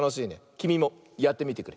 きみもやってみてくれ。